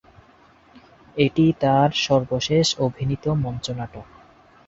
এটি তার সর্বশেষ অভিনীত মঞ্চনাটক।